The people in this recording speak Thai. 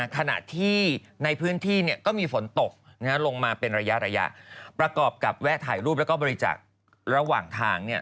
ขณะที่ในพื้นที่เนี่ยก็มีฝนตกลงมาเป็นระยะประกอบกับแวะถ่ายรูปแล้วก็บริจาคระหว่างทางเนี่ย